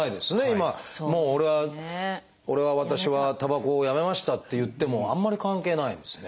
今もう俺は私はたばこをやめましたっていってもあんまり関係ないんですね。